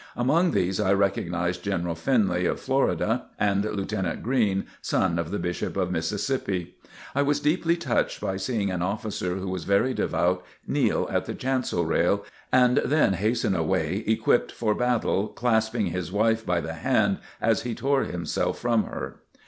Among these I recognized General Finley, of Florida, and Lieutenant Green, son of the Bishop of Mississippi. I was deeply touched by seeing an officer who was very devout, kneel at the chancel rail, and then hasten away, equipped for battle, clasping his wife by the hand as he tore himself from her.